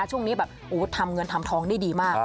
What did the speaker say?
ช่วงนี้แบบทำเงินทำทองได้ดีมาก